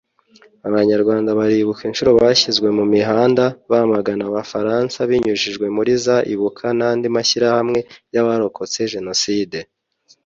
Abanyarwanda baribuka inshuro bashyizwe mu mihanda bamagana abafaransa binyujijwe muri za Ibuka n’andi mashyirahamwe y’abarokotse jenoside